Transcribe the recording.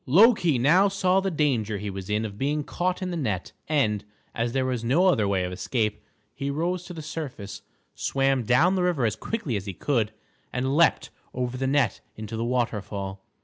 Loki now saw the danger he was in of being caught in the net, and, as there was no other way of escape, he rose to the surface, swam down the river as quickly as he could, and leaped over the net into the waterfall.